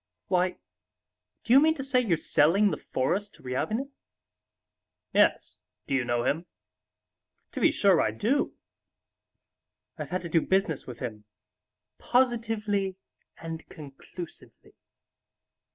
"Why, do you mean to say you're selling the forest to Ryabinin?" "Yes. Do you know him?" "To be sure I do. I have had to do business with him, 'positively and conclusively.